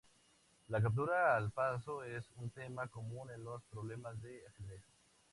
La captura al paso es un tema común en los problemas de ajedrez.